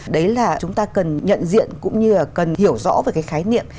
đấy là chúng ta cần nhận diện cũng như là cần hiểu rõ về cái khái niệm